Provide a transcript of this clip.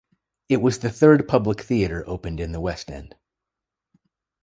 It was the third public theatre opened in the West End.